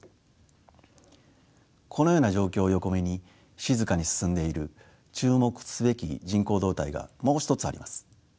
このような状況を横目に静かに進んでいる注目すべき人口動態がもう一つあります。